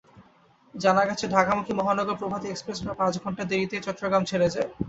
জানা গেছে, ঢাকামুখী মহানগর প্রভাতী এক্সপ্রেস প্রায় পাঁচ ঘণ্টা দেরিতে চট্টগ্রাম ছেড়ে যায়।